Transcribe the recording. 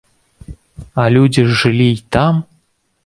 А людзі ж жылі і там!